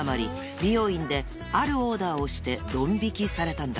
美容院であるオーダーをしてどん引きされたんだ